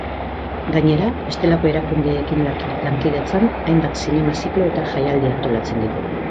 Gainera, bestelako erakundeekin lankidetzan, hainbat zinema-ziklo eta jaialdi antolatzen ditu.